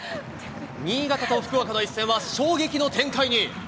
新潟と福岡の一戦は衝撃の展開に。